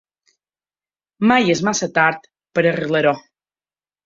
Mai és massa tard per arreglar-ho.